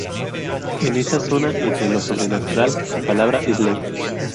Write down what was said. En esa zona, entre lo sobrenatural, su palabra es ley.